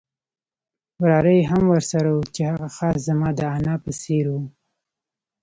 وراره یې هم ورسره وو چې هغه خاص زما د انا په څېر وو.